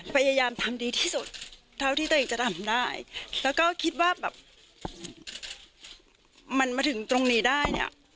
พยายามทำดีที่สุดเท่าที่ตัวเองจะทำได้แล้วก็คิดว่าแบบมันมาถึงตรงนี้ได้เนี่ย